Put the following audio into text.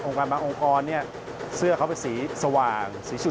องค์กรบางองค์กรเสื้อเขาเป็นสีสว่างสีฉุดฉาด